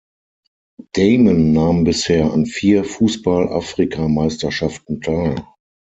Damon nahm bisher an vier Fußball-Afrikameisterschaften teil.